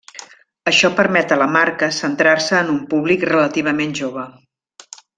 Això permet a la marca centrar-se en un públic relativament jove.